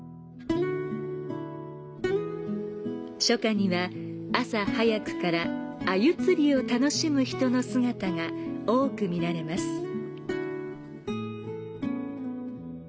初夏には朝早くから鮎釣りを楽しむ人の姿が多く見られます。